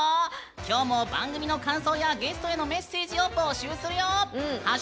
今日も番組の感想やゲストへのメッセージを募集するよ！